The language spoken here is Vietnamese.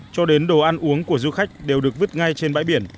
cho đến đồ ăn uống của du khách đều được vứt ngay trên bãi biển